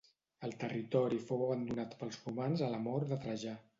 El territori fou abandonat pels romans a la mort de Trajà.